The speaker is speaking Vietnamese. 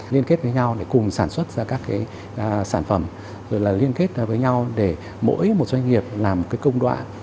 liên kết với nhau để cùng sản xuất ra các sản phẩm liên kết với nhau để mỗi doanh nghiệp làm công đoạn